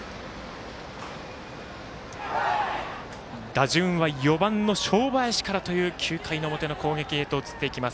打順は４番の正林からという９回の表の攻撃へと移っていきます